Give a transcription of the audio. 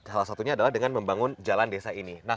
salah satunya adalah dengan membangun jalan desa ini